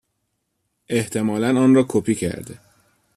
احتمالا آن را کپی کرده.